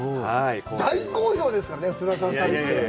大好評ですからね、福澤さんの旅って。